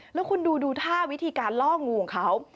แล้วคุณดูดูท่าวิธีการล่องูของเขา